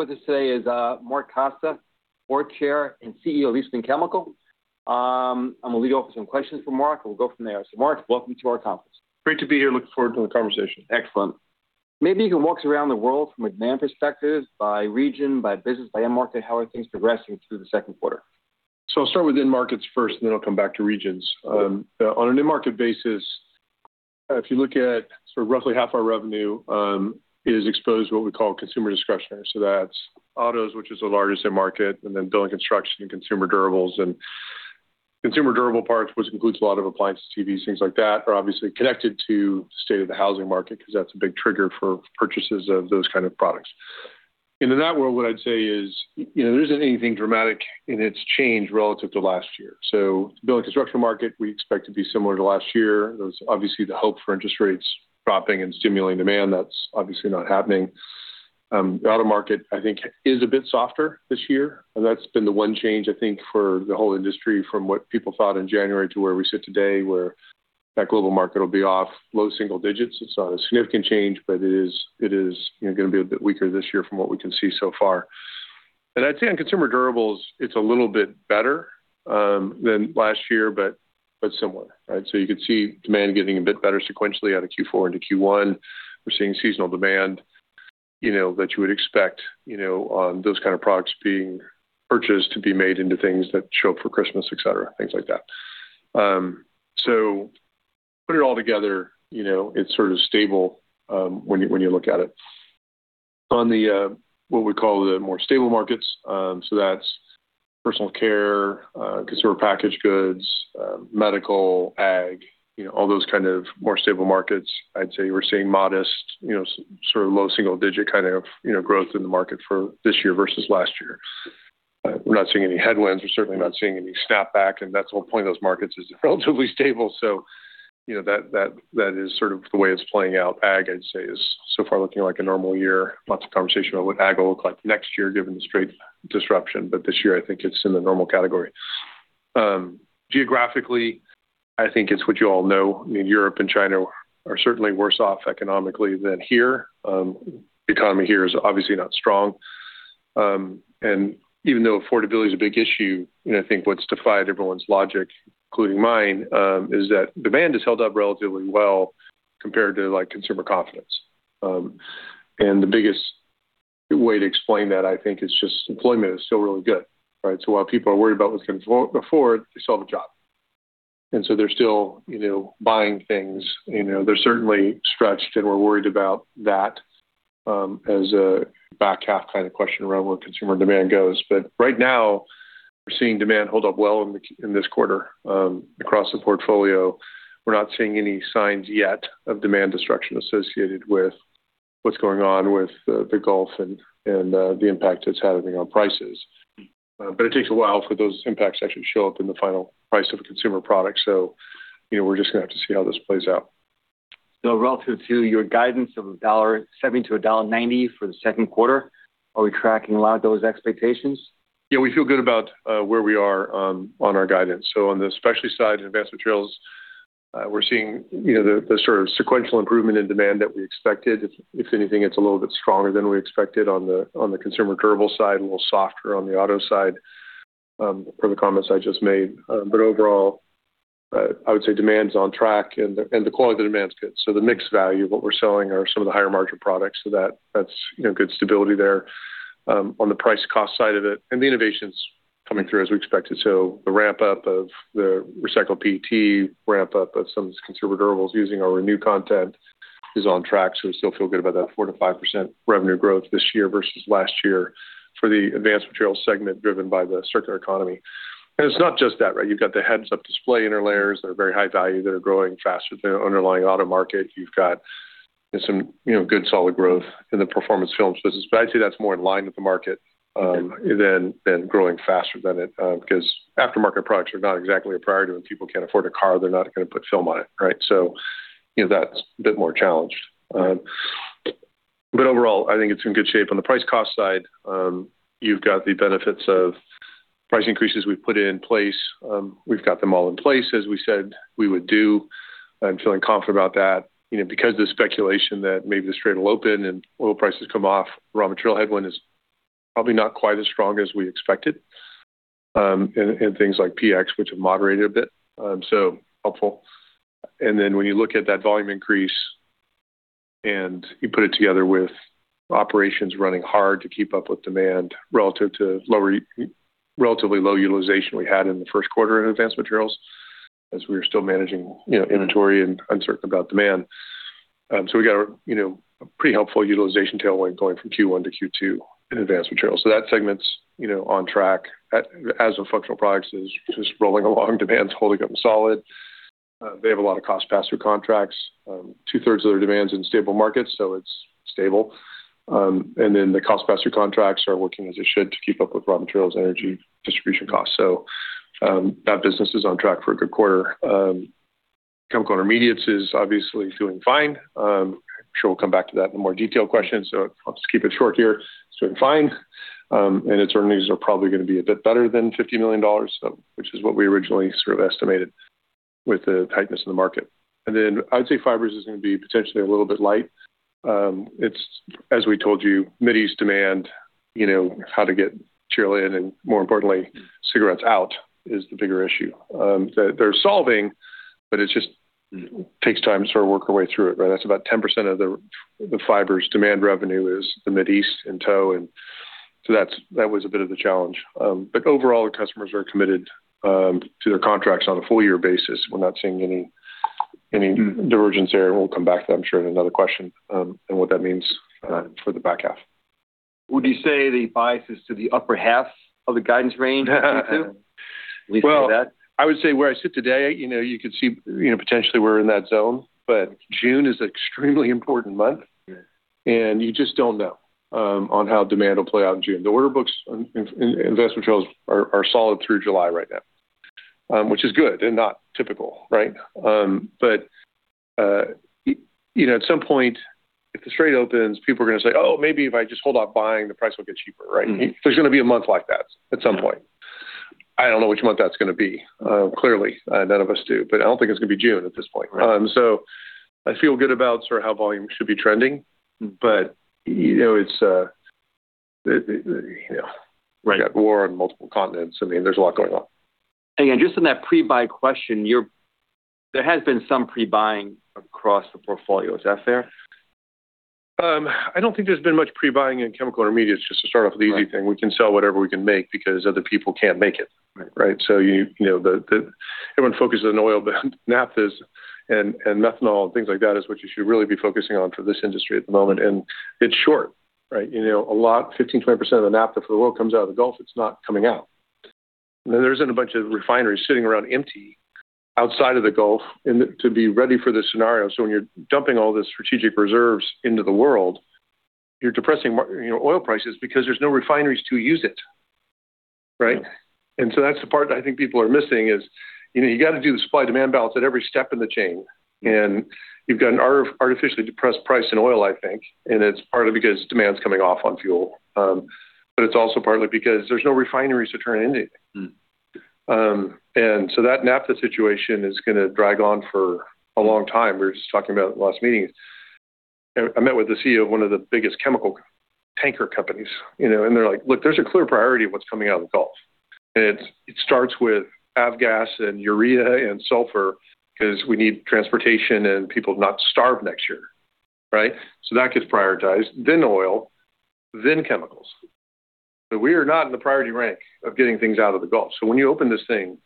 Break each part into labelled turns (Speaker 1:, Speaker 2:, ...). Speaker 1: With us today is Mark Costa, Board Chair and CEO of Eastman Chemical. I'm going to lead off with some questions for Mark, and we'll go from there. Mark, welcome to our conference.
Speaker 2: Great to be here. Looking forward to the conversation.
Speaker 1: Excellent. Maybe you can walk us around the world from a demand perspective by region, by business, by end market. How are things progressing through the second quarter?
Speaker 2: I'll start with end markets first, and then I'll come back to regions.
Speaker 1: Sure.
Speaker 2: On an end market basis, if you look at sort of roughly half our revenue is exposed to what we call consumer discretionary. That's autos, which is the largest end market, and then building construction and consumer durables. Consumer durable parts, which includes a lot of appliances, TVs, things like that, are obviously connected to the state of the housing market because that's a big trigger for purchases of those kind of products. In that world, what I'd say is, there isn't anything dramatic in its change relative to last year. The building construction market we expect to be similar to last year. There was obviously the hope for interest rates dropping and stimulating demand. That's obviously not happening. The auto market, I think, is a bit softer this year. That's been the one change, I think, for the whole industry from what people thought in January to where we sit today, where that global market will be off low single digits. It's not a significant change, it is going to be a bit weaker this year from what we can see so far. I'd say on consumer durables, it's a little bit better than last year, but similar. Right? You could see demand getting a bit better sequentially out of Q4 into Q1. We're seeing seasonal demand that you would expect on those kind of products being purchased to be made into things that show up for Christmas, et cetera. Things like that. Put it all together, it's sort of stable when you look at it. On the, what we call the more stable markets, so that's personal care, consumer packaged goods, medical, Ag, all those kind of more stable markets, I'd say we're seeing modest, sort of low single-digit kind of growth in the market for this year versus last year. We're not seeing any headwinds. We're certainly not seeing any snapback, that's the whole point of those markets is they're relatively stable. That is sort of the way it's playing out. Ag, I'd say is so far looking like a normal year. Lots of conversation about what Ag will look like next year given the Strait disruption. This year, I think it's in the normal category. Geographically, I think it's what you all know. Europe and China are certainly worse off economically than here. The economy here is obviously not strong. Even though affordability is a big issue, I think what's defied everyone's logic, including mine, is that demand has held up relatively well compared to consumer confidence. The biggest way to explain that, I think, is just employment is still really good, right? While people are worried about what they can afford, they still have a job. They're still buying things. They're certainly stretched and we're worried about that as a back half kind of question around where consumer demand goes. Right now, we're seeing demand hold up well in this quarter across the portfolio. We're not seeing any signs yet of demand destruction associated with what's going on with the Gulf and the impact it's having on prices. It takes a while for those impacts to actually show up in the final price of a consumer product. We're just going to have to see how this plays out.
Speaker 1: Relative to your guidance of $1.70-$1.90 for the second quarter, are we tracking a lot of those expectations?
Speaker 2: Yeah, we feel good about where we are on our guidance. On the specialty side and Advanced Materials, we're seeing the sort of sequential improvement in demand that we expected. If anything, it's a little bit stronger than we expected on the consumer durables side, a little softer on the auto side for the comments I just made. Overall, I would say demand's on track and the quality of the demand's good. The mix value of what we're selling are some of the higher margin products, so that's good stability there. On the price cost side of it, and the innovation's coming through as we expected. The ramp-up of the recycled PET, ramp-up of some of these consumer durables using our Renew content is on track. We still feel good about that 4%-5% revenue growth this year versus last year for the Advanced Materials segment driven by the circular economy. It's not just that, right? You've got the heads-up display interlayers that are very high value, that are growing faster than the underlying auto market. You've got some good solid growth in the Performance Films business. I'd say that's more in line with the market than growing faster than it. Because aftermarket products are not exactly a priority when people can't afford a car, they're not going to put film on it, right? That's a bit more challenged. Overall, I think it's in good shape. On the price cost side, you've got the benefits of price increases we've put in place. We've got them all in place as we said we would do, and feeling confident about that. Because of the speculation that maybe the Strait will open and oil prices come off, raw material headwind is probably not quite as strong as we expected in things like PX, which have moderated a bit, so helpful. When you look at that volume increase and you put it together with operations running hard to keep up with demand relative to relatively low utilization we had in the first quarter in Advanced Materials, as we were still managing inventory and uncertain about demand. We got a pretty helpful utilization tailwind going from Q1 to Q2 in Advanced Materials. Additives & Functional Products is just rolling along. Demand's holding up solid. They have a lot of cost pass-through contracts. 2/3 Of their demand's in stable markets, so it's stable. The cost pass-through contracts are working as they should to keep up with raw materials and energy distribution costs. That business is on track for a good quarter. Chemical Intermediates is obviously doing fine. I'm sure we'll come back to that in a more detailed question, so I'll just keep it short here. It's doing fine. Its earnings are probably going to be a bit better than $50 million, which is what we originally sort of estimated, with the tightness in the market. I would say fibers is going to be potentially a little bit light. As we told you, Mid-East demand, how to get cheerlead, and more importantly, cigarettes out is the bigger issue. They're solving, but it just takes time to sort of work our way through it. That's about 10% of the fibers demand revenue is the Mid-East and tow. That was a bit of the challenge. Overall, the customers are committed to their contracts on a full year basis. We're not seeing any divergence there. We'll come back to that, I'm sure, in another question, what that means for the back half.
Speaker 1: Would you say the bias is to the upper half of the guidance range too? At least say that?
Speaker 2: Well, I would say where I sit today, you could see potentially we're in that zone, but June is an extremely important month.
Speaker 1: Yeah.
Speaker 2: You just don't know on how demand will play out in June. The order books in investment trends are solid through July right now, which is good and not typical, right? At some point, if the strait opens, people are going to say, "Oh, maybe if I just hold off buying, the price will get cheaper," right? There's going to be a month like that at some point. I don't know which month that's going to be. Clearly, none of us do, but I don't think it's going to be June at this point.
Speaker 1: Right.
Speaker 2: I feel good about how volume should be trending, but you got war on multiple continents. There's a lot going on.
Speaker 1: Just on that pre-buy question, there has been some pre-buying across the portfolio. Is that fair?
Speaker 2: I don't think there's been much pre-buying in Chemical Intermediates, just to start off with the easy thing.
Speaker 1: Right.
Speaker 2: We can sell whatever we can make because other people can't make it.
Speaker 1: Right.
Speaker 2: Everyone focuses on oil, but naphtha and methanol and things like that is what you should really be focusing on for this industry at the moment, and it's short. 15%-20% of the naphtha for the world comes out of the Gulf. It's not coming out. There isn't a bunch of refineries sitting around empty outside of the Gulf to be ready for this scenario. When you're dumping all the strategic reserves into the world, you're depressing oil prices because there's no refineries to use it, right?
Speaker 1: Yeah.
Speaker 2: That's the part I think people are missing is you got to do the supply/demand balance at every step in the chain. You've got an artificially depressed price in oil, I think, and it's partly because demand's coming off on fuel. It's also partly because there's no refineries to turn it into. That naphtha situation is going to drag on for a long time. We were just talking about it in the last meeting. I met with the CEO of one of the biggest chemical tanker companies, and they're like, "Look, there's a clear priority of what's coming out of the Gulf, and it starts with avgas and urea and sulfur because we need transportation and people to not starve next year," right? That gets prioritized, then oil, then chemicals. We are not in the priority rank of getting things out of the Gulf. When you open this thing,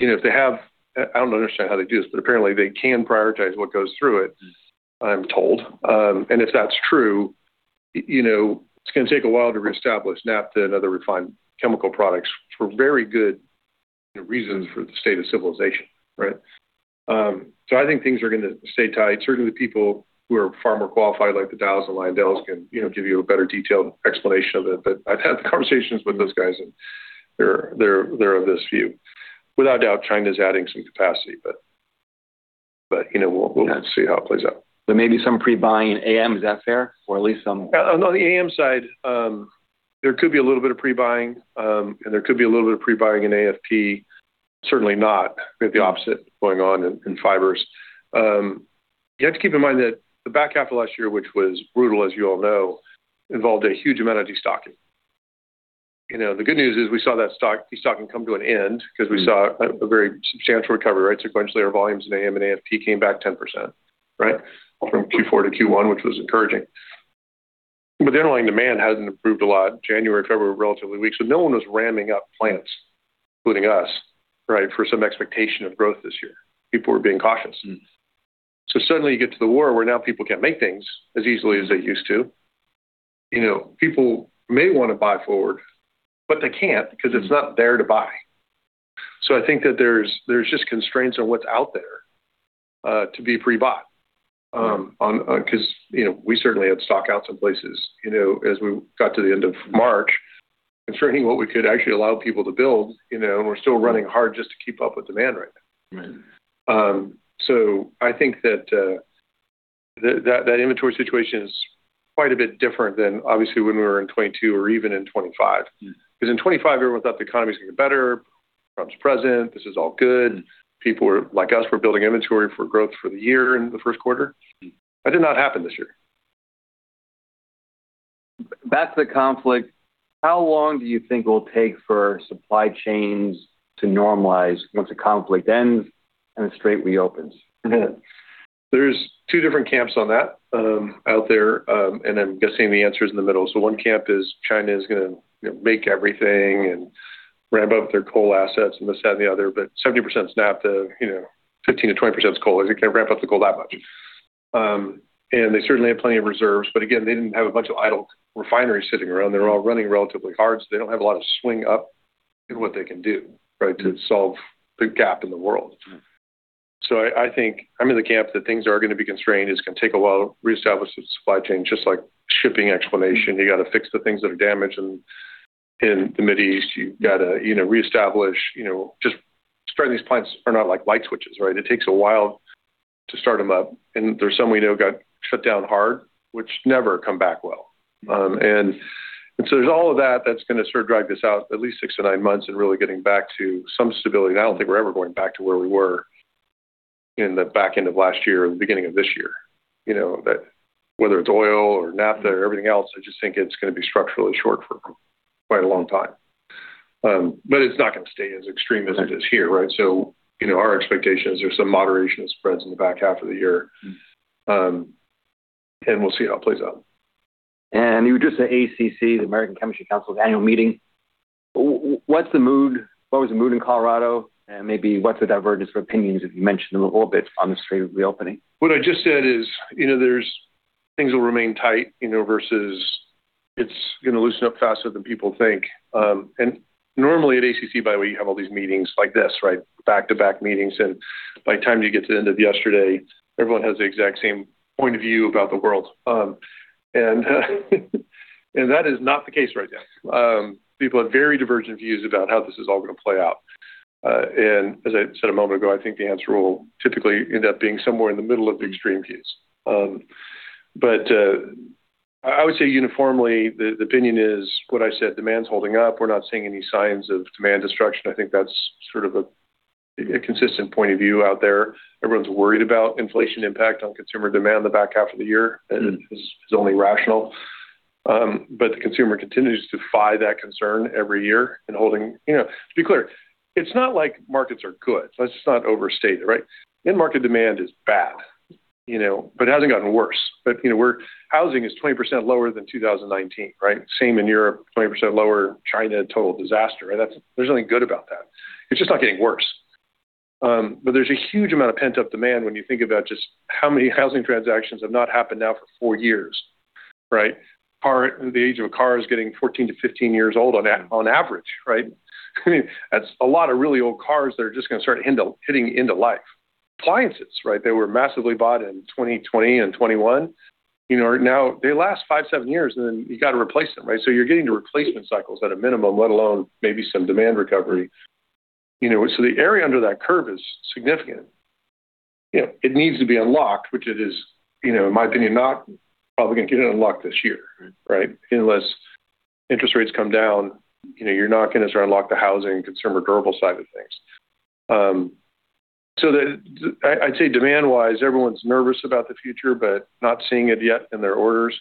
Speaker 2: I don't understand how they do this, but apparently, they can prioritize what goes through it. I'm told. If that's true, it's going to take a while to reestablish naphtha and other refined chemical products for very good reasons for the state of civilization, right? I think things are going to stay tight. Certainly, people who are far more qualified, like the Dow's and LyondellBasell's, can give you a better detailed explanation of it. I've had the conversations with those guys, and they're of this view. Without a doubt, China's adding some capacity, but we'll see how it plays out.
Speaker 1: There may be some pre-buying in AM. Is that fair?
Speaker 2: On the AM side, there could be a little bit of pre-buying. There could be a little bit of pre-buying in AFP. Certainly not. We have the opposite going on in fibers. You have to keep in mind that the back half of last year, which was brutal, as you all know, involved a huge amount of de-stocking. The good news is we saw that de-stocking come to an end because we saw a very substantial recovery, right? Sequentially, our volumes in AM and AFP came back 10%, right? From Q4 to Q1, which was encouraging. The underlying demand hasn't improved a lot. January, February were relatively weak. No one was ramming up plants, including us, for some expectation of growth this year. People were being cautious. Suddenly you get to the war where now people can't make things as easily as they used to. People may want to buy forward, they can't because it's not there to buy. I think that there's just constraints on what's out there to be pre-bought. We certainly had stock outs in places as we got to the end of March, constraining what we could actually allow people to build, and we're still running hard just to keep up with demand right now.
Speaker 1: Right.
Speaker 2: I think that inventory situation is quite a bit different than obviously when we were in 2022 or even in 2025. Because in 2025, everyone thought the economy was going to get better. Trump's president. This is all good. People like us were building inventory for growth for the year in the first quarter. That did not happen this year.
Speaker 1: Back to the conflict, how long do you think it will take for supply chains to normalize once the conflict ends and the strait reopens?
Speaker 2: There's two different camps on that out there, and I'm guessing the answer is in the middle. One camp is China is going to make everything and ramp up their coal assets and this, that, and the other. 70% is naphtha, 15%-20% is coal. They can't ramp up the coal that much. They certainly have plenty of reserves, but again, they didn't have a bunch of idle refineries sitting around. They're all running relatively hard, so they don't have a lot of swing up in what they can do to solve the gap in the world. I think I'm in the camp that things are going to be constrained. It's going to take a while to reestablish the supply chain, just like shipping explanation. You got to fix the things that are damaged in the Mid East. You got to reestablish. Starting these plants are not like light switches. It takes a while to start them up. There's some we know got shut down hard, which never come back well. There's all of that that's going to sort of drag this out at least six to nine months and really getting back to some stability. I don't think we're ever going back to where we were in the back end of last year or the beginning of this year. Whether it's oil or naphtha or everything else, I just think it's going to be structurally short for quite a long time. It's not going to stay as extreme as it is here, right? Our expectation is there's some moderation of spreads in the back half of the year. We'll see how it plays out.
Speaker 1: You were just at ACC, the American Chemistry Council's annual meeting. What was the mood in Colorado? Maybe what's the divergence of opinions, if you mentioned them a little bit on the straight reopening?
Speaker 2: What I just said is, things will remain tight, versus it's going to loosen up faster than people think. Normally at ACC, by the way, you have all these meetings like this, right? Back-to-back meetings, and by the time you get to the end of yesterday, everyone has the exact same point of view about the world. That is not the case right now. People have very divergent views about how this is all going to play out. As I said a moment ago, I think the answer will typically end up being somewhere in the middle of the extreme case. I would say uniformly, the opinion is what I said, demand's holding up. We're not seeing any signs of demand destruction. I think that's sort of a consistent point of view out there. Everyone's worried about inflation impact on consumer demand in the back half of the year, and it's only rational. The consumer continues to defy that concern every year and holding. To be clear, it's not like markets are good. Let's not overstate it, right. End market demand is bad, but it hasn't gotten worse. Housing is 20% lower than 2019, right. Same in Europe, 20% lower. China, total disaster, right. There's nothing good about that. It's just not getting worse. There's a huge amount of pent-up demand when you think about just how many housing transactions have not happened now for four years, right. The age of a car is getting 14 to 15 years old on average, right. I mean, that's a lot of really old cars that are just going to start hitting the end of life. Appliances, right. They were massively bought in 2020 and 2021. They last five, seven years, and then you got to replace them, right? You're getting to replacement cycles at a minimum, let alone maybe some demand recovery. The area under that curve is significant. It needs to be unlocked, which it is, in my opinion, not probably going to get unlocked this year, right? Unless interest rates come down, you're not going to sort of unlock the housing, consumer durable side of things. I'd say demand-wise, everyone's nervous about the future, but not seeing it yet in their orders.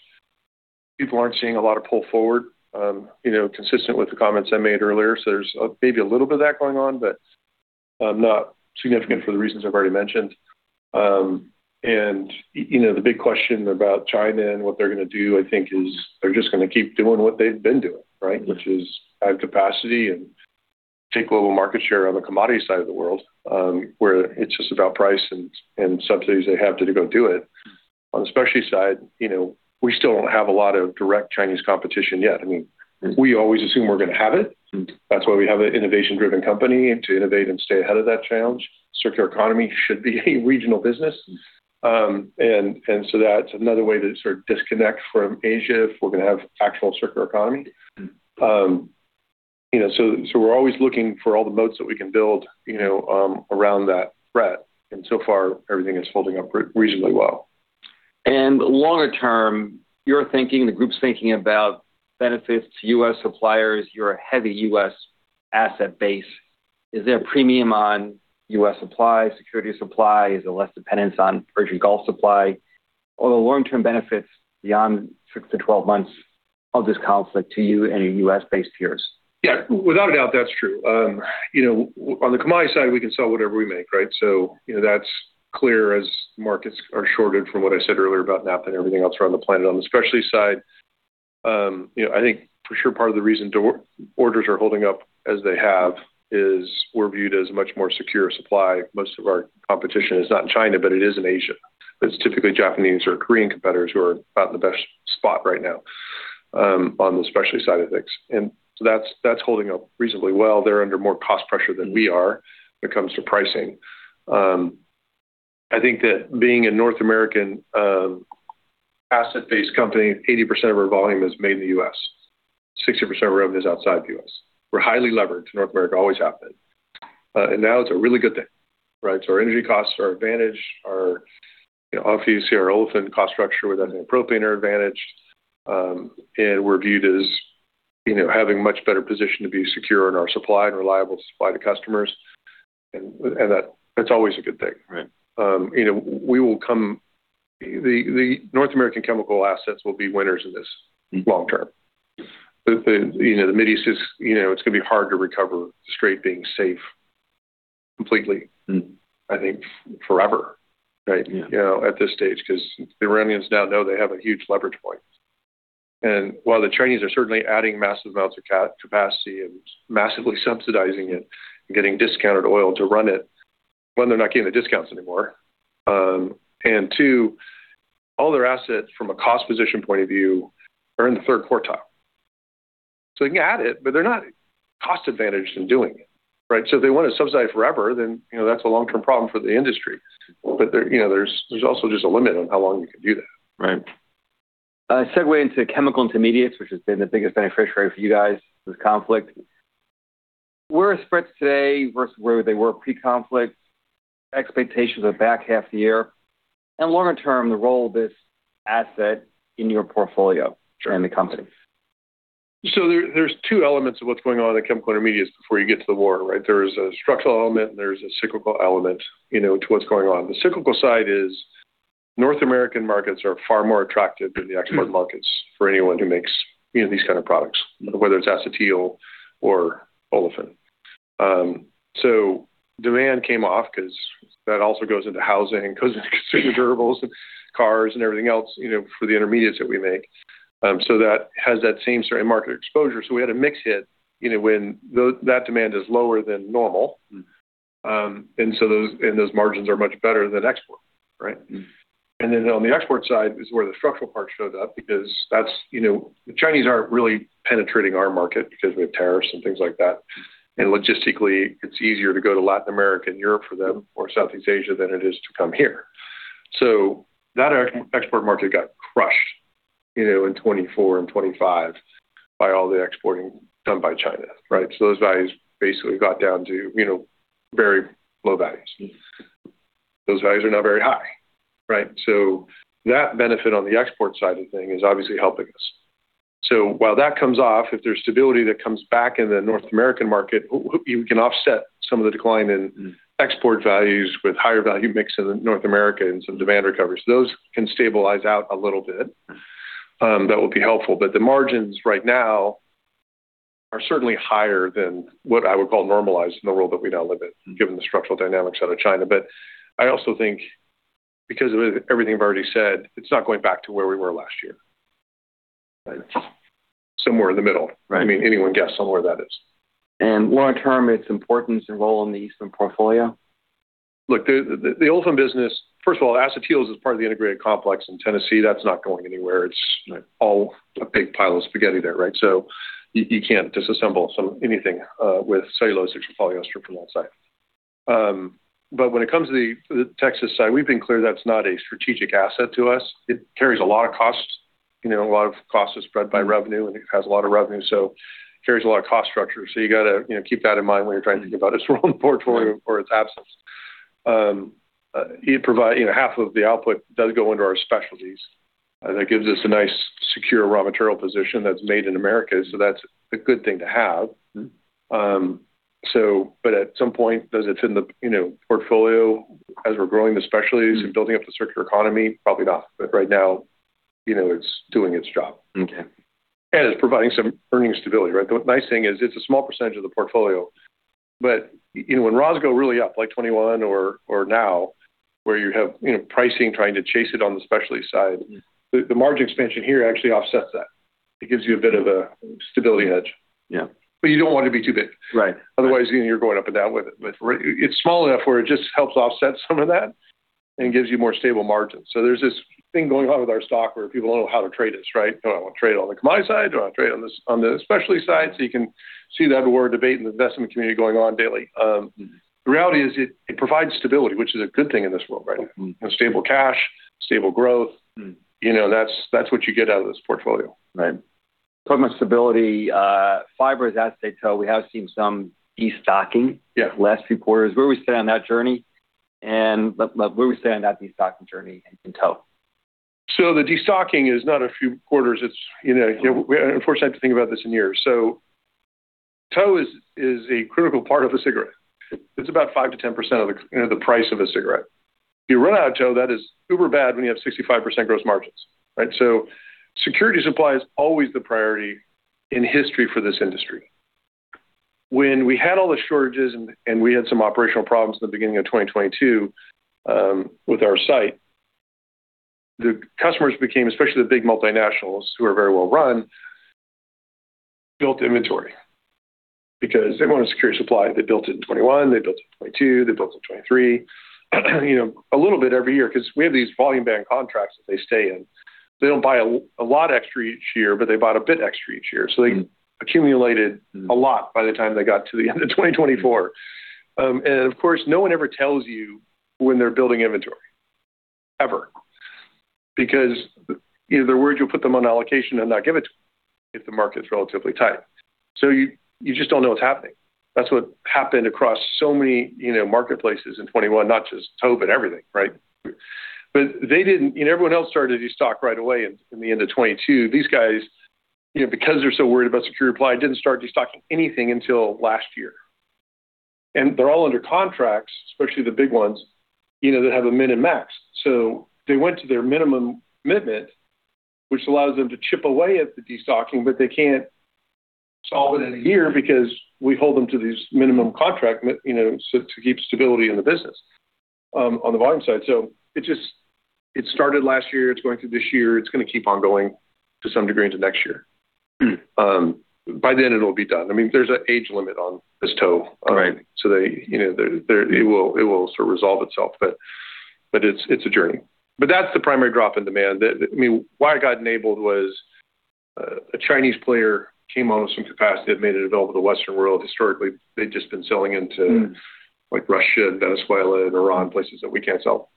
Speaker 2: People aren't seeing a lot of pull forward, consistent with the comments I made earlier. There's maybe a little bit of that going on, but not significant for the reasons I've already mentioned. The big question about China and what they're going to do, I think, is they're just going to keep doing what they've been doing, right? Which is add capacity and take global market share on the commodity side of the world, where it's just about price and subsidies they have to go do it. On the specialty side, we still don't have a lot of direct Chinese competition yet. I mean, we always assume we're going to have it. That's why we have an innovation-driven company to innovate and stay ahead of that challenge. Circular economy should be a regional business. That's another way to sort of disconnect from Asia if we're going to have actual circular economy. We're always looking for all the boats that we can build around that threat. So far, everything is holding up reasonably well.
Speaker 1: Longer term, you're thinking, the group's thinking about benefits to U.S. suppliers. You're a heavy U.S. asset base. Is there a premium on U.S. supply, security of supply? Is there less dependence on Persian Gulf supply? Are the long-term benefits beyond six to 12 months of this conflict to you and your U.S.-based peers?
Speaker 2: Yeah, without a doubt, that's true. On the commodity side, we can sell whatever we make, right? That's clear as markets are shorted from what I said earlier about naphtha and everything else around the planet. On the specialty side, I think for sure part of the reason orders are holding up as they have is we're viewed as a much more secure supply. Most of our competition is not in China, but it is in Asia. It's typically Japanese or Korean competitors who are not in the best spot right now on the specialty side of things. That's holding up reasonably well. They're under more cost pressure than we are when it comes to pricing. I think that being a North American asset-based company, 80% of our volume is made in the U.S. 60% of our revenue is outside the U.S. We're highly leveraged. North America always happened. Now it's a really good thing, right? Our energy costs, our advantage, our Off ERC or Olefin cost structure with ethane and propane are advantaged. We're viewed as having much better position to be secure in our supply and reliable to supply to customers. That's always a good thing.
Speaker 1: Right.
Speaker 2: The North American chemical assets will be winners in this long term. The Middle East is, it's going to be hard to recover the Strait being safe completely, I think, forever, right?
Speaker 1: Yeah.
Speaker 2: At this stage, because the Iranians now know they have a huge leverage point. While the Chinese are certainly adding massive amounts of capacity and massively subsidizing it and getting discounted oil to run it, one, they're not getting the discounts anymore. Two, all their assets from a cost position point of view are in the third quartile. They can add it, but they're not cost-advantaged in doing it, right? If they want to subsidize forever, then that's a long-term problem for the industry. There's also just a limit on how long you can do that.
Speaker 1: Right. Segue into Chemical Intermediates, which has been the biggest beneficiary for you guys, this conflict. Where are spreads today versus where they were pre-conflict, expectations of the back half of the year, and longer term, the role of this asset in your portfolio?
Speaker 2: Sure
Speaker 1: The company?
Speaker 2: There's two elements of what's going on in Chemical Intermediates before you get to the war, right? There's a structural element and there's a cyclical element, to what's going on. The cyclical side is North American markets are far more attractive than the export markets for anyone who makes these kind of products, whether it's acetyl or olefin. Demand came off because that also goes into housing, goes into consumer durables and cars and everything else, for the intermediates that we make. That has that same sort of market exposure. We had a mix hit, when that demand is lower than normal. Those margins are much better than export. Right? Then on the export side is where the structural part showed up because the Chinese aren't really penetrating our market because we have tariffs and things like that, and logistically, it's easier to go to Latin America and Europe for them, or Southeast Asia, than it is to come here. That export market got crushed in 2024 and 2025 by all the exporting done by China, right. Those values basically got down to very low values. Those values are now very high, right? That benefit on the export side of things is obviously helping us. While that comes off, if there's stability that comes back in the North American market, we can offset some of the decline in export values with higher value mix in North America and some demand recovery. Those can stabilize out a little bit. That would be helpful, but the margins right now are certainly higher than what I would call normalized in the world that we now live in. given the structural dynamics out of China. I also think because of everything I've already said, it's not going back to where we were last year.
Speaker 1: Right.
Speaker 2: Somewhere in the middle.
Speaker 1: Right.
Speaker 2: I mean, anyone guess somewhere where that is?
Speaker 1: Long term, its importance and role in the Eastman portfolio?
Speaker 2: Look, the olefin business, first of all, acetyls is part of the integrated complex in Tennessee. That's not going anywhere. It's all a big pile of spaghetti there, right? You can't disassemble anything with cellulose esters and polyester from that site. When it comes to the Texas side, we've been clear that's not a strategic asset to us. It carries a lot of costs, a lot of costs are spread by revenue, and it has a lot of revenue, so carries a lot of cost structure. You got to keep that in mind when you're trying to think about its role in the portfolio or its absence. Half of the output does go into our specialties. That gives us a nice secure raw material position that's made in America, so that's a good thing to have. At some point, does it fit in the portfolio as we're growing the specialties and building up the circular economy? Probably not. Right now, it's doing its job.
Speaker 1: Okay.
Speaker 2: It's providing some earning stability, right? The nice thing is it's a small percentage of the portfolio. When raws go really up, like 2021 or now, where you have pricing trying to chase it on the specialty side. The margin expansion here actually offsets that. It gives you a bit of a stability edge.
Speaker 1: Yeah.
Speaker 2: You don't want to be too big.
Speaker 1: Right.
Speaker 2: Otherwise, you're going up and down with it. It's small enough where it just helps offset some of that and gives you more stable margins. There's this thing going on with our stock where people don't know how to trade us, right? Do I want to trade on the commodity side? Do I want to trade on the specialty side? You can see that word debate in the investment community going on daily. The reality is it provides stability, which is a good thing in this world right now. Stable cash, stable growth. That's what you get out of this portfolio.
Speaker 1: Right. Talking about stability, fibers, acetate tow, we have seen some destocking.
Speaker 2: Yeah.
Speaker 1: The last few quarters. Where are we sitting on that journey? Where are we sitting on that destocking journey in tow?
Speaker 2: The destocking is not a few quarters. Unfortunately, I have to think about this in years. Tow is a critical part of a cigarette. It's about 5%-10% of the price of a cigarette. If you run out of tow, that is uber bad when you have 65% gross margins, right? Security supply is always the priority in history for this industry. When we had all the shortages and we had some operational problems at the beginning of 2022 with our site, the customers became, especially the big multinationals who are very well run, built inventory because they wanted security supply. They built it in 2021, they built it in 2022, they built it in 2023, a little bit every year because we have these volume band contracts that they stay in. They don't buy a lot extra each year, but they bought a bit extra each year. They accumulated a lot by the time they got to the end of 2024. Of course, no one ever tells you when they're building inventory, ever. Either they're worried you'll put them on allocation and not give it to them if the market's relatively tight. You just don't know what's happening. That's what happened across so many marketplaces in 2021, not just tow, but everything, right? Everyone else started to destock right away in the end of 2022. These guys, because they're so worried about security of supply, didn't start destocking anything until last year. They're all under contracts, especially the big ones, that have a min and max. They went to their minimum commitment, which allows them to chip away at the destocking, but they can't solve it in a year because we hold them to these minimum contract, so to keep stability in the business on the volume side. It started last year, it's going through this year, it's going to keep on going to some degree into next year. By then it'll be done. There's an age limit on this tow.
Speaker 1: Right.
Speaker 2: It will sort of resolve itself. It's a journey. That's the primary drop in demand. Why it got enabled was a Chinese player came out with some capacity that made it available to the Western world. Historically, they'd just been selling into- Russia and Venezuela and Iran, places that we can't sell.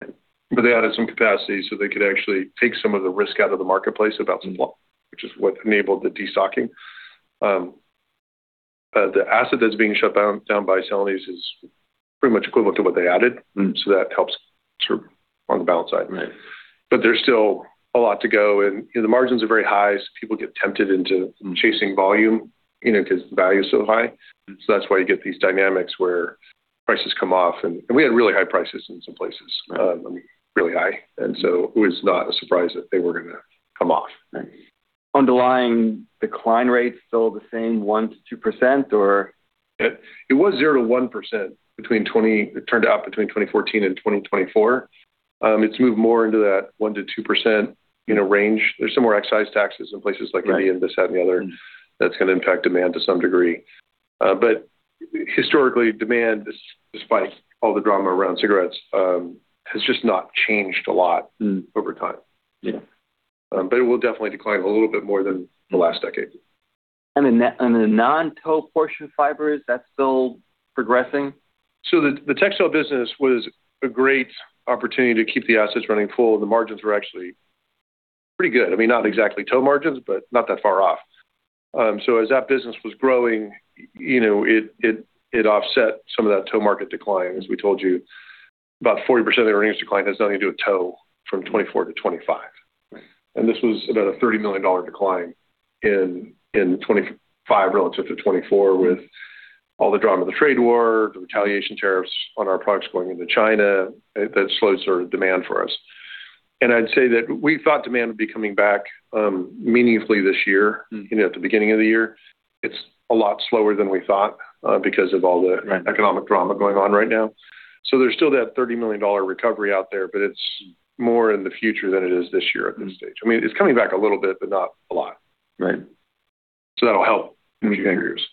Speaker 2: They added some capacity, so they could actually take some of the risk out of the marketplace about supply, which is what enabled the de-stocking. The asset that's being shut down by Celanese is pretty much equivalent to what they added. That helps sort of on the balance side.
Speaker 1: Right.
Speaker 2: There's still a lot to go, and the margins are very high, so people get tempted into chasing volume, because the value is so high. That's why you get these dynamics where prices come off, and we had really high prices in some places.
Speaker 1: Right.
Speaker 2: I mean, really high. It was not a surprise that they were going to come off.
Speaker 1: Right. Underlying decline rates still the same, 1%-2% or?
Speaker 2: It was 0%-1%, it turned out between 2014 and 2024. It's moved more into that 1%-2% range. There's some more excise taxes in places like India.
Speaker 1: Right.
Speaker 2: This, that, and the other. That's going to impact demand to some degree. Historically, demand, despite all the drama around cigarettes, has just not changed a lot over time.
Speaker 1: Yeah.
Speaker 2: It will definitely decline a little bit more than the last decade.
Speaker 1: The non-tow portion of fibers, that's still progressing?
Speaker 2: The textile business was a great opportunity to keep the assets running full. The margins were actually pretty good. I mean, not exactly tow margins, but not that far off. As that business was growing, it offset some of that tow market decline, as we told you. About 40% of the earnings decline has nothing to do with tow from 2024 to 2025.
Speaker 1: Right.
Speaker 2: This was about a $30 million decline in 2025 relative to 2024 with all the drama of the trade war, the retaliation tariffs on our products going into China. That slowed sort of demand for us. I'd say that we thought demand would be coming back meaningfully this year. At the beginning of the year. It's a lot slower than we thought because of all the-
Speaker 1: Right
Speaker 2: Economic drama going on right now. There's still that $30 million recovery out there, but it's more in the future than it is this year at this stage. I mean, it's coming back a little bit, but not a lot.
Speaker 1: Right.
Speaker 2: That'll help in the coming years.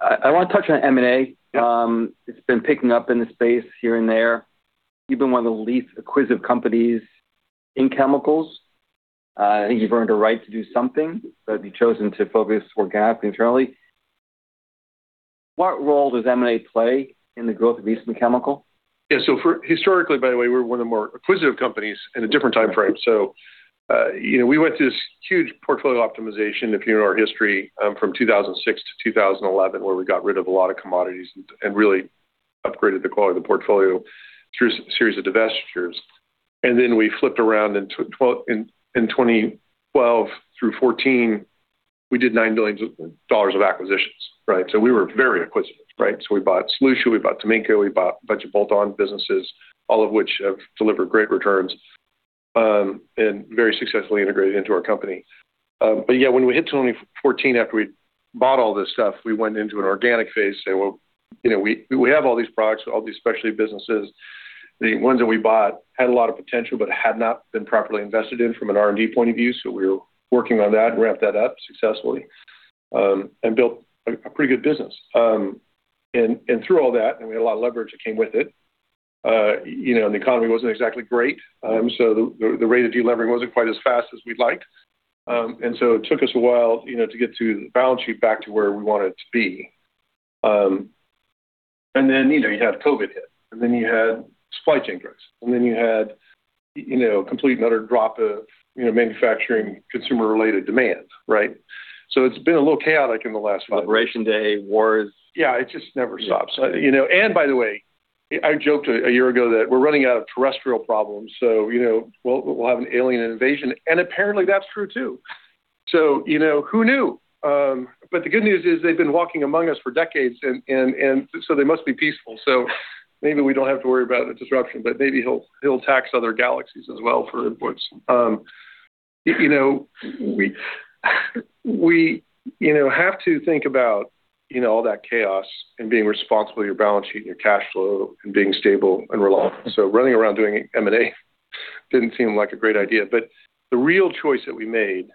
Speaker 1: I want to touch on M&A.
Speaker 2: Yep.
Speaker 1: It's been picking up in the space here and there. You've been one of the least acquisitive companies in chemicals. I think you've earned a right to do something, but you've chosen to focus organically, internally. What role does M&A play in the growth of Eastman Chemical?
Speaker 2: Yeah. Historically, by the way, we're one of the more acquisitive companies in a different timeframe. We went through this huge portfolio optimization, if you know our history, from 2006 to 2011, where we got rid of a lot of commodities and really upgraded the quality of the portfolio through a series of divestitures. Then we flipped around in 2012 through 2014, we did $9 billion of acquisitions. Right? We were very acquisitive, right? We bought Solutia, we bought Taminco, we bought a bunch of bolt-on businesses, all of which have delivered great returns, and very successfully integrated into our company. Yeah, when we hit 2014, after we'd bought all this stuff, we went into an organic phase. Say, well, we have all these products, all these specialty businesses. The ones that we bought had a lot of potential but had not been properly invested in from an R&D point of view, so we were working on that, ramped that up successfully, and built a pretty good business. Through all that, and we had a lot of leverage that came with it, and the economy wasn't exactly great. The rate of de-levering wasn't quite as fast as we'd liked. It took us a while to get to the balance sheet back to where we wanted it to be. You had COVID hit, and then you had supply chain grids, and then you had complete and utter drop of manufacturing consumer-related demand. Right? It's been a little chaotic in the last five years.
Speaker 1: Operation day, wars.
Speaker 2: Yeah. It just never stops.
Speaker 1: Yeah.
Speaker 2: By the way, I joked a year ago that we're running out of terrestrial problems, so we'll have an alien invasion. Apparently, that's true, too. Who knew? The good news is, they've been walking among us for decades, and so they must be peaceful. Maybe we don't have to worry about the disruption, but maybe he'll tax other galaxies as well for imports. We have to think about all that chaos and being responsible with your balance sheet and your cash flow, and being stable and reliable. Running around doing M&A didn't seem like a great idea. The real choice that we made,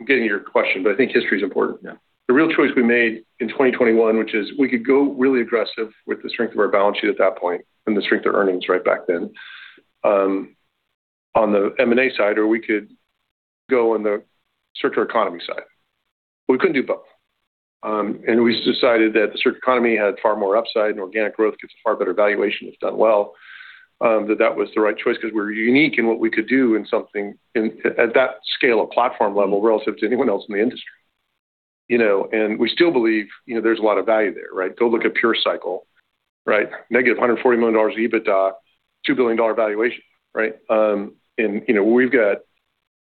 Speaker 2: I'm getting to your question, but I think history's important.
Speaker 1: Yeah.
Speaker 2: The real choice we made in 2021, which is we could go really aggressive with the strength of our balance sheet at that point, and the strength of earnings right back then, on the M&A side, or we could go on the circular economy side. We couldn't do both. We decided that the circular economy had far more upside, and organic growth gets a far better valuation if done well, that that was the right choice because we're unique in what we could do at that scale of platform level relative to anyone else in the industry. We still believe there's a lot of value there, right? Go look at PureCycle, right? Negative $140 million EBITDA, $2 billion valuation, right? We've got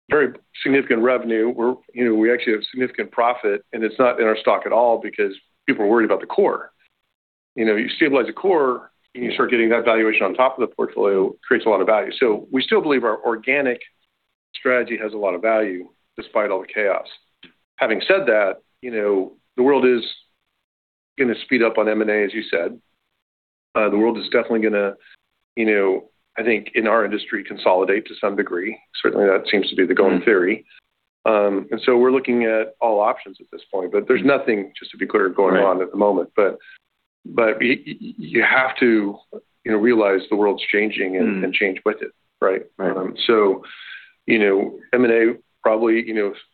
Speaker 2: very significant revenue. We actually have significant profit, and it's not in our stock at all because people are worried about the core. You stabilize the core, you start getting that valuation on top of the portfolio, creates a lot of value. We still believe our organic strategy has a lot of value despite all the chaos. Having said that, the world is going to speed up on M&A, as you said. The world is definitely going to, I think, in our industry, consolidate to some degree. Certainly, that seems to be the going theory. We're looking at all options at this point. There's nothing, just to be clear, going on at the moment.
Speaker 1: Right.
Speaker 2: You have to realize the world's changing and change with it, right?
Speaker 1: Right.
Speaker 2: M&A probably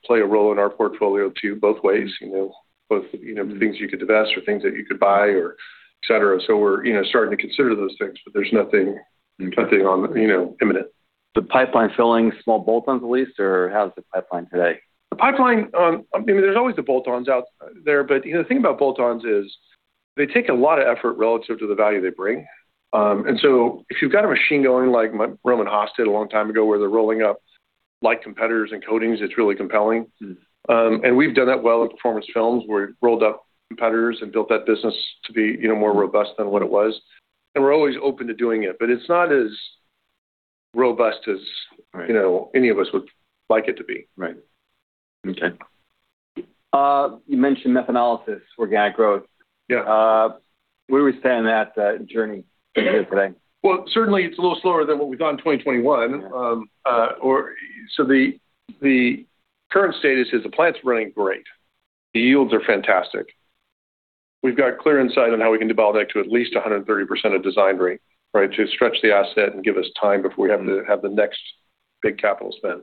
Speaker 2: play a role in our portfolio too, both ways. Both the things you could divest or things that you could buy or et cetera. We're starting to consider those things, but there's nothing- imminent.
Speaker 1: The pipeline filling small bolt-ons at least, or how's the pipeline today?
Speaker 2: The pipeline, there's always the bolt-ons out there, but the thing about bolt-ons is they take a lot of effort relative to the value they bring. If you've got a machine going like Rohm and Haas did a long time ago, where they're rolling up like competitors and coatings, it's really compelling. We've done that well in Performance Films, where we rolled up competitors and built that business to be more robust than what it was. We're always open to doing it, but it's not as robust as.
Speaker 1: Right
Speaker 2: Any of us would like it to be.
Speaker 1: Right. Okay. You mentioned methanolysis, organic growth.
Speaker 2: Yeah.
Speaker 1: Where are we standing on that journey today?
Speaker 2: Well, certainly it's a little slower than what we've done in 2021.
Speaker 1: Yeah.
Speaker 2: The current status is the plant's running great. The yields are fantastic. We've got clear insight on how we can dial back to at least 130% of design rate. To stretch the asset and give us time before we have to have the next big capital spend.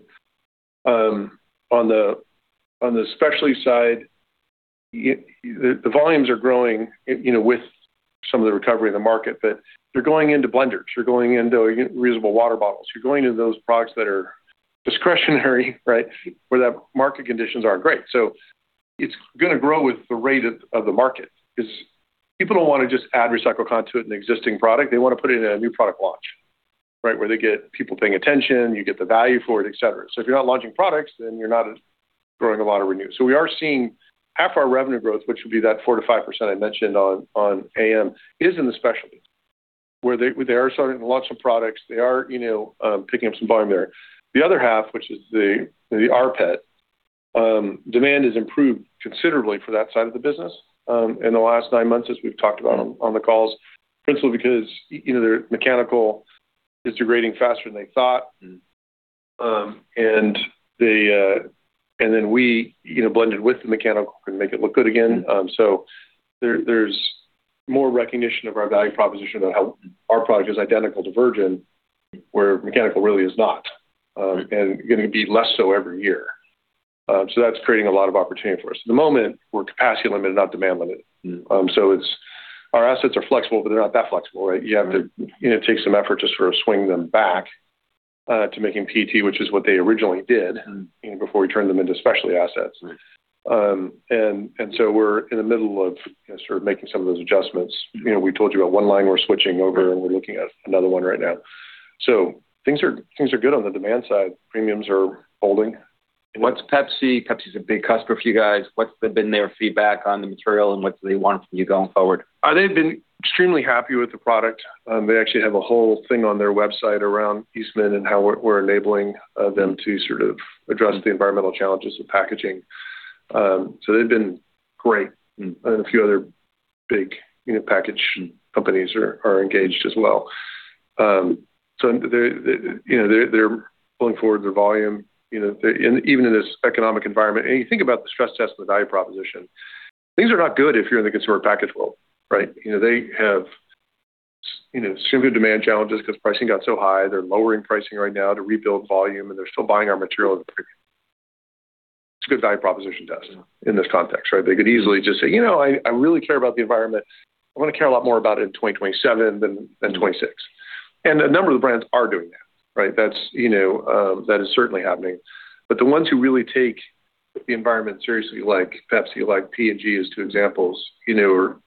Speaker 2: On the specialty side, the volumes are growing with some of the recovery of the market, but they're going into blenders. They're going into reusable water bottles. You're going into those products that are discretionary. Where the market conditions aren't great. It's going to grow with the rate of the market, because people don't want to just add recycled content to an existing product. They want to put it in a new product launch. Where they get people paying attention, you get the value for it, et cetera. If you're not launching products, then you're not growing a lot of revenue. We are seeing half our revenue growth, which would be that 4%-5% I mentioned on AM, is in the specialty, where they are starting to launch some products. They are picking up some volume there. The other half, which is the rPET, demand has improved considerably for that side of the business in the last nine months, as we've talked about on the calls. Principally because their mechanical is degrading faster than they thought. We blend it with the mechanical and make it look good again. There's more recognition of our value proposition about how our product is identical to virgin, where mechanical really is not.
Speaker 1: Right.
Speaker 2: Going to be less so every year. That's creating a lot of opportunity for us. At the moment, we're capacity limited, not demand limited. Our assets are flexible, but they're not that flexible, right? You have to take some effort to sort of swing them back to making PET, which is what they originally did. Before we turned them into specialty assets.
Speaker 1: Right.
Speaker 2: We're in the middle of sort of making some of those adjustments. We told you about one line we're switching over, and we're looking at another one right now. Things are good on the demand side. premiums are holding.
Speaker 1: PepsiCo's a big customer for you guys. What has been their feedback on the material, and what do they want from you going forward?
Speaker 2: They've been extremely happy with the product. They actually have a whole thing on their website around Eastman and how we're enabling them to sort of address the environmental challenges of packaging. They've been great. A few other big package companies are engaged as well. They're pulling forward their volume, even in this economic environment. You think about the stress test and the value proposition. Things are not good if you're in the consumer package world, right? They have extremely demand challenges because pricing got so high. They're lowering pricing right now to rebuild volume, and they're still buying our material. It's a good value proposition test in this context, right? They could easily just say, "You know, I really care about the environment. I'm going to care a lot more about it in 2027 than 2026." A number of the brands are doing that, right? That is certainly happening. The ones who really take the environment seriously, like Pepsi, like P&G, as two examples, are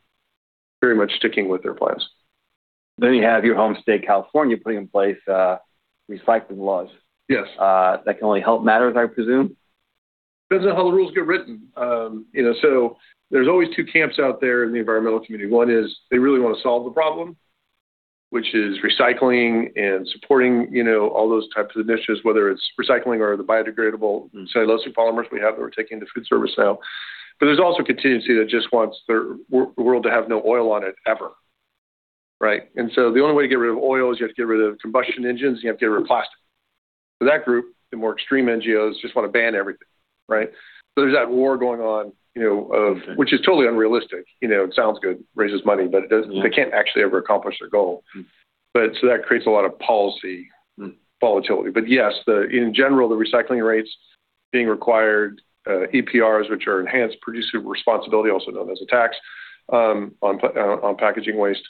Speaker 2: very much sticking with their plans.
Speaker 1: You have your home state, California, putting in place recycling laws.
Speaker 2: Yes.
Speaker 1: That can only help matters, I presume?
Speaker 2: Depends on how the rules get written. There's always two camps out there in the environmental community. One is they really want to solve the problem, which is recycling and supporting all those types of initiatives, whether it's recycling or the biodegradable. cellulose polymers we have that we're taking to food service now. There's also a contingency that just wants the world to have no oil on it ever, right? The only way to get rid of oil is you have to get rid of combustion engines, you have to get rid of plastic. For that group, the more extreme NGOs just want to ban everything, right? There's that war going on.
Speaker 1: Okay.
Speaker 2: Which is totally unrealistic. It sounds good, raises money, but they can't actually ever accomplish their goal. That creates a lot of policy volatility. Yes, in general, the recycling rates being required, EPRs, which are Extended Producer Responsibility, also known as a tax on packaging waste,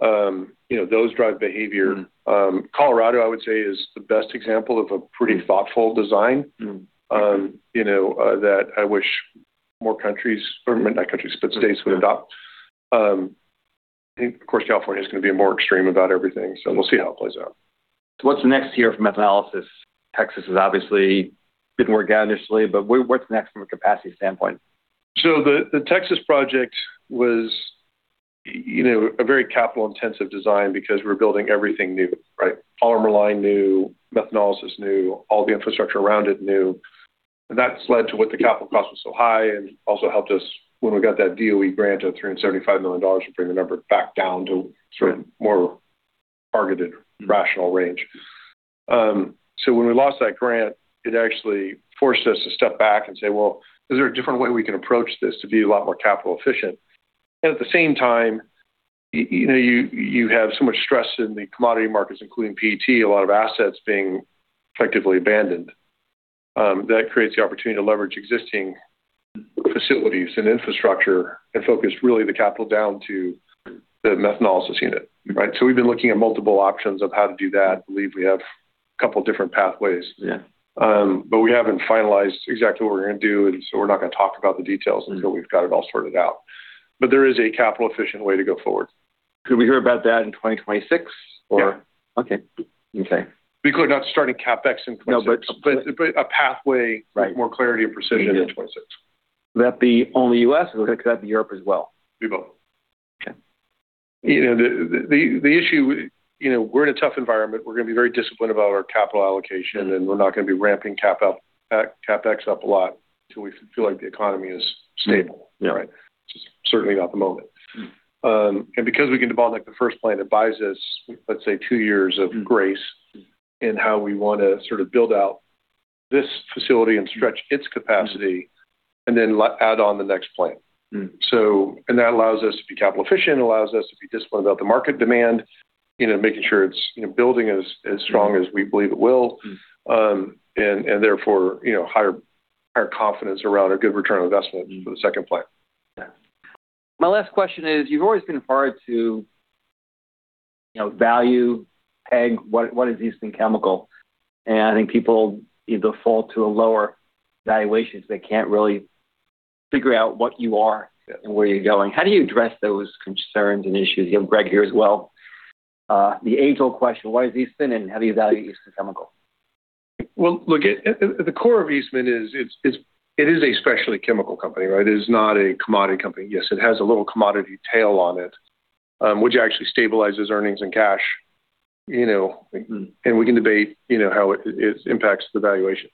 Speaker 2: those drive behavior. Colorado, I would say, is the best example of a pretty thoughtful design. That I wish more countries or, not countries, but states would adopt. Of course, California's going to be more extreme about everything, so we'll see how it plays out.
Speaker 1: What's next here for methanolysis? Texas obviously didn't work out initially. What's next from a capacity standpoint?
Speaker 2: The Texas project was a very capital-intensive design because we were building everything new, right? Polymer line, new. methanolysis, new. All the infrastructure around it, new. That's led to why the capital cost was so high and also helped us when we got that DOE grant of $375 million to bring the number back down to sort of more targeted, rational range. When we lost that grant, it actually forced us to step back and say, "Well, is there a different way we can approach this to be a lot more capital efficient?" At the same time, you have so much stress in the commodity markets, including PET, a lot of assets being effectively abandoned. That creates the opportunity to leverage existing facilities and infrastructure and focus, really, the capital down to the methanolysis unit. We've been looking at multiple options of how to do that. I believe we have a couple different pathways.
Speaker 1: Yeah.
Speaker 2: We haven't finalized exactly what we're going to do, and so we're not going to talk about the details until we've got it all sorted out. There is a capital-efficient way to go forward.
Speaker 1: Could we hear about that in 2026, or?
Speaker 2: Yeah.
Speaker 1: Okay.
Speaker 2: We could not start any CapEx in 2026.
Speaker 1: No.
Speaker 2: A pathway-
Speaker 1: Right
Speaker 2: with more clarity and precision in 2026.
Speaker 1: Will that be only U.S., or could that be Europe as well?
Speaker 2: Do both.
Speaker 1: Okay.
Speaker 2: The issue, we're in a tough environment. We're going to be very disciplined about our capital allocation, and we're not going to be ramping CapEx up a lot till we feel like the economy is stable.
Speaker 1: Yeah.
Speaker 2: Which is certainly not the moment. Because we can develop the first plant, it buys us, let's say, two years of grace in how we want to sort of build out this facility and stretch its capacity, and then add on the next plant. That allows us to be capital efficient, allows us to be disciplined about the market demand, making sure it's building as strong as we believe it will. Therefore, higher confidence around a good return on investment for the second plant.
Speaker 1: My last question is, you've always been referred to value, PEG, what is Eastman Chemical? I think people either fall to lower valuations. They can't really figure out what you are and where you're going. How do you address those concerns and issues? You have Greg here as well. The age-old question, what is Eastman, and how do you value Eastman Chemical?
Speaker 2: Well, look, at the core of Eastman is, it is a specialty chemical company. It is not a commodity company. Yes, it has a little commodity tail on it, which actually stabilizes earnings and cash, and we can debate how it impacts the valuation.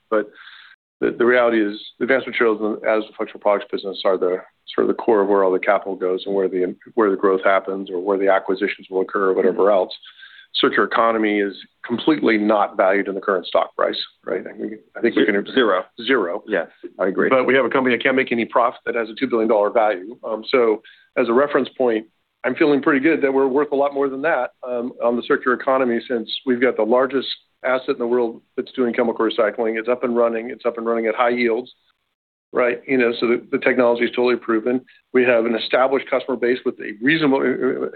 Speaker 2: The reality is, Advanced Materials as a functional products business are the sort of the core of where all the capital goes and where the growth happens or where the acquisitions will occur, or whatever else. Circular economy is completely not valued in the current stock price.
Speaker 1: Right. Zero.
Speaker 2: Zero.
Speaker 1: Yes, I agree.
Speaker 2: We have a company that can't make any profit that has a $2 billion value. As a reference point, I'm feeling pretty good that we're worth a lot more than that on the circular economy, since we've got the largest asset in the world that's doing chemical recycling. It's up and running, it's up and running at high yields. The technology's totally proven. We have an established customer base with a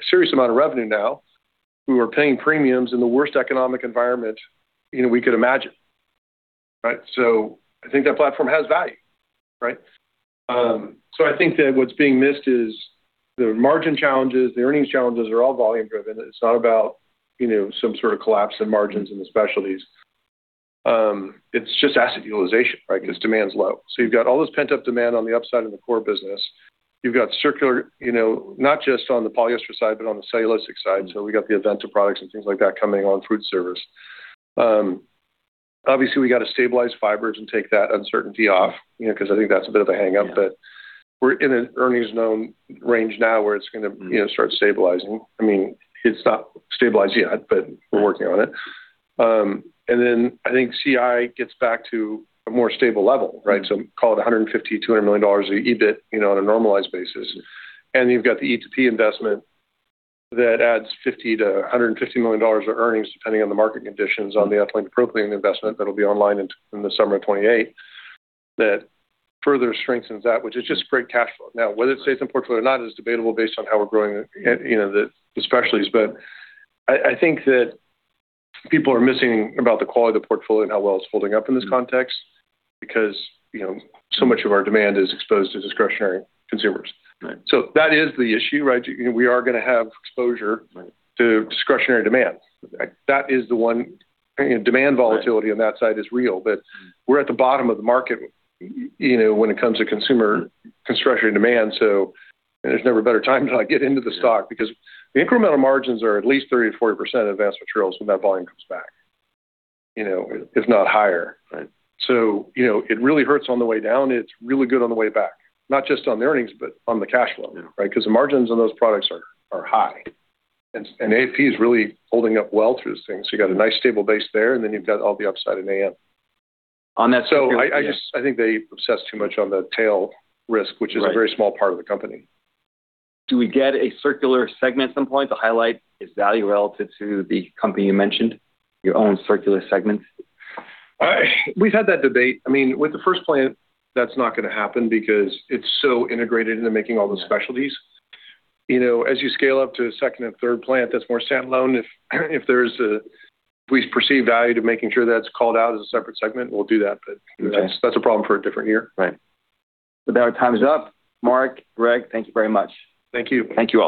Speaker 2: serious amount of revenue now, who are paying premiums in the worst economic environment we could imagine. I think that platform has value. I think that what's being missed is the margin challenges, the earnings challenges are all volume driven. It's not about some sort of collapse in margins in the specialties. It's just asset utilization, because demand's low. You've got all this pent-up demand on the upside of the core business. You've got circular, not just on the polyester side, but on the cellulosic side. We got the Aventa products and things like that coming on food service. Obviously, we got to stabilize fibers and take that uncertainty off, because I think that's a bit of a hang-up. We're in an earnings known range now where it's going to start stabilizing. It's not stabilized yet. We're working on it. I think CI gets back to a more stable level. Call it $150 million-$200 million of EBIT on a normalized basis. You've got the E2P investment that adds $50 million-$150 million of earnings, depending on the market conditions on the ethylene propylene investment that'll be online in the summer of 2028. That further strengthens that, which is just great cash flow. Whether it stays in portfolio or not is debatable based on how we're growing the specialties. I think that people are missing about the quality of the portfolio and how well it's holding up in this context because so much of our demand is exposed to discretionary consumers.
Speaker 1: Right.
Speaker 2: That is the issue. We are going to have exposure
Speaker 1: Right
Speaker 2: to discretionary demand. Demand volatility on that side is real, but we're at the bottom of the market when it comes to consumer discretionary demand. There's never a better time to not get into the stock, because the incremental margins are at least 30%-40% Advanced Materials when that volume comes back, if not higher.
Speaker 1: Right.
Speaker 2: It really hurts on the way down. It's really good on the way back, not just on the earnings, but on the cash flow.
Speaker 1: Yeah.
Speaker 2: The margins on those products are high. AFP is really holding up well through this thing. You got a nice stable base there, you've got all the upside in AM.
Speaker 1: On that circular-
Speaker 2: I think they obsess too much on the tail risk.
Speaker 1: Right
Speaker 2: which is a very small part of the company.
Speaker 1: Do we get a circular segment at some point to highlight its value relative to the company you mentioned, your own circular segment?
Speaker 2: We've had that debate. With the first plant, that's not going to happen because it's so integrated into making all the specialties. As you scale up to a second and third plant that's more standalone, if we perceive value to making sure that's called out as a separate segment, we'll do that. That's a problem for a different year.
Speaker 1: Right. Well, our time's up. Mark, Greg, thank you very much.
Speaker 2: Thank you.
Speaker 1: Thank you all.